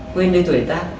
quên đi tuổi tác